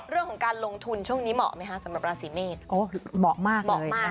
เรื่องของการลงทุนช่วงนี้เหมาะไหมคะสำหรับราศีเมษเหมาะมากเหมาะมาก